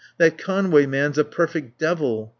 That Conway man's a perfect devil.